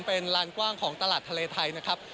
เป็นลานกว้างของตลาดทะเลไทยนะครับ